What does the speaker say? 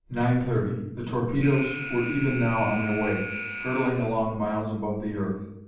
Nine thirty. The torpedoes were even now on their way, hurtling along miles above the earth.